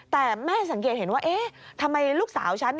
แต่แม่สังเกตเห็นว่าเอ๊ะทำไมลูกสาวฉัน